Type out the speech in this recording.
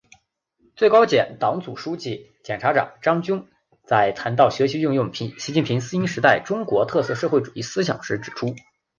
最高检党组书记、检察长张军在谈到学习运用习近平新时代中国特色社会主义思想时指出